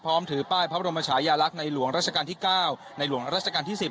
ถือป้ายพระบรมชายาลักษณ์ในหลวงราชการที่๙ในหลวงราชการที่๑๐